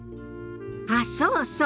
あっそうそう。